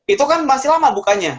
itu kan masih lama bukanya